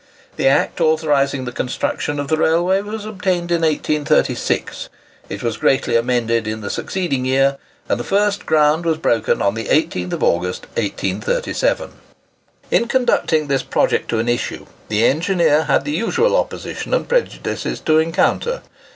The Act authorising the construction of the railway was obtained in 1836; it was greatly amended in the succeeding year, and the first ground was broken on the 18th August, 1837. In conducting this project to an issue, the engineer had the usual opposition and prejudices to encounter.